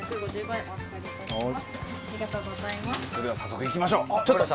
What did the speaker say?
それでは早速いきましょう。